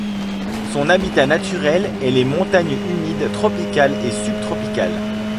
Son habitat naturel est les montages humides tropicales et subtropicales.